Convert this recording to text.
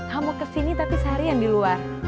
kamu kesini tapi seharian di luar